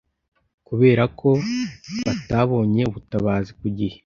kubera ko batabonye ubutabazi ku gihe”